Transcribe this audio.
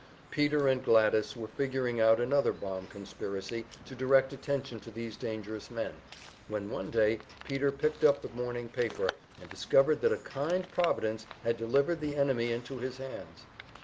Peter and Gladys were figuring out another bomb conspiracy to direct attention to these dangerous men, when one day Peter picked up the morning paper and discovered that a kind Providence had delivered the enemy into his hands.